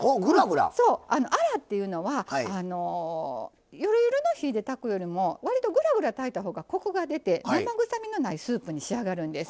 アラっていうのはゆるゆるの火で炊くよりも割とぐらぐら炊いたほうがコクが出て生臭みのないスープに仕上がるんです。